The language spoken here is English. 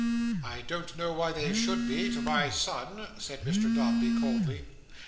"I don't know why they should be, to my son," said Mr Dombey, coldly.